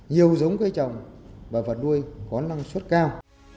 nhiều giống cây trồng và vật nuôi có năng suất cao